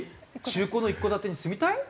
中古の一戸建てに住みたい？